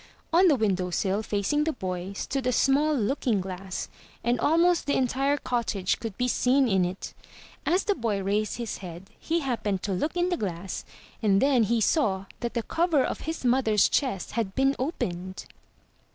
On the window sill, facing the boy, stood a small looking glass; and almost the entire cottage could be seen in it. As the boy raised his head, he happened to look in the glass and then he saw that the cover of his mother's chest had been opened.